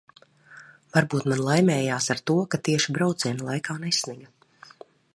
Varbūt man laimējās ar to, ka tieši brauciena laikā nesniga.